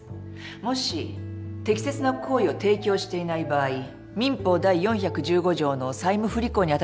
もし適切な行為を提供していない場合民法第４１５条の債務不履行に当たる可能性が。